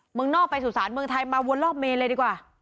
เมืองนอกไปสู่ศาลเมืองไทยมาวนรอบเมนเลยดีกว่า